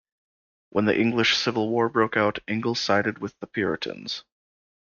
When the English Civil War broke out, Ingle sided with the Puritans.